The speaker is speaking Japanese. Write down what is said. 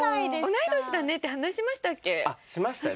同い年だねって話しましたっけ？